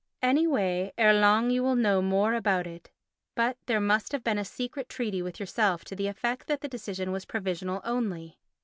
Any way ere long you will know more about it. But there must have been a secret treaty with yourself to the effect that the decision was provisional only.